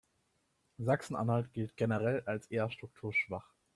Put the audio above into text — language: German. Sachsen-Anhalt gilt generell als eher strukturschwach.